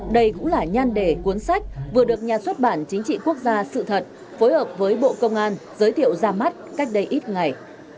đây cũng là nhan đề cuốn sách vừa được nhà xuất bản chính trị quốc gia sự thật phối hợp với bộ công an giới thiệu ra mắt cách đây ít ngày